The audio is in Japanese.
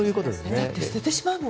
だって捨ててしまうもん。